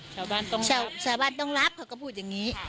ชาวบ้านต้องรับชาวบ้านต้องรับเขาก็พูดอย่างนี้